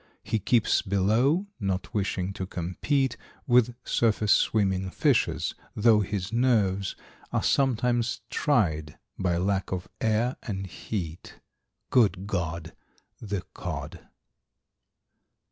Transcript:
He keeps below, not wishing to compete With surface swimming fishes, though his nerves Are sometimes tried by lack of air, and heat. Good God! The Cod.